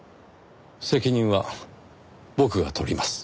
責任は僕が取ります。